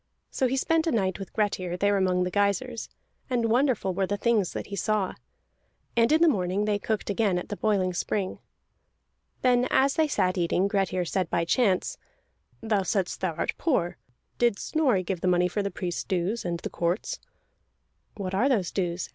So he spent a night with Grettir, there among the geysirs, and wonderful were the things that he saw. And in the morning they cooked again at the boiling spring. Then, as they sat eating, Grettir said by chance: "Thou saidst thou art poor. Did Snorri give the money for the priest's dues, and the court's?" "What are those dues?"